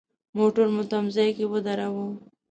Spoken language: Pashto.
موټر مو تم ځای کې ودراوه.